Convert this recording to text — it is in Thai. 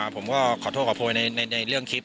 ผมก็ขอโทษขอโพยในเรื่องคลิป